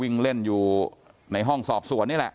นางนาคะนี่คือยายน้องจีน่าคุณยายถ้าแท้เลย